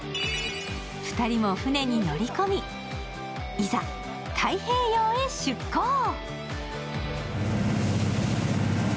２人も船に乗り込み、いざ太平洋へ出航。